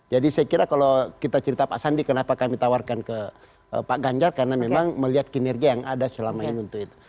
jadi saya kira kalau kita cerita pak sandi kenapa kami tawarkan ke pak ganjar karena memang melihat kinerja yang ada selama ini untuk itu